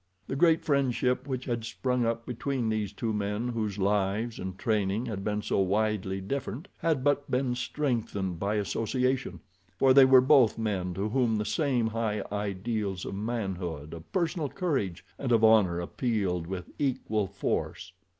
The great friendship which had sprung up between these two men whose lives and training had been so widely different had but been strengthened by association, for they were both men to whom the same high ideals of manhood, of personal courage, and of honor appealed with equal force.